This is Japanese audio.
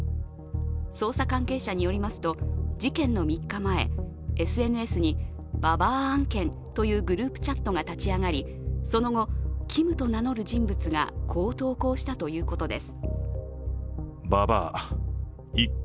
捜査関係者によりますと、事件の３日前、ＳＮＳにババア案件というグループチャットが立ち上がり、その後、Ｋｉｍと名乗る人物がこう投稿したということです。